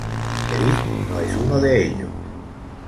Edith no es uno de ellos.